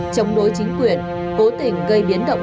chống đối chính quyền cố tình gây biến động